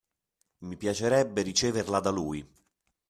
Mi piacerebbe riceverla da lui.